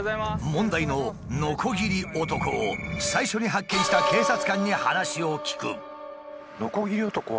問題のノコギリ男を最初に発見した警察官に話を聞く。